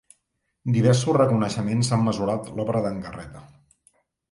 Diversos reconeixements han mesurat l'obra d'en Garreta.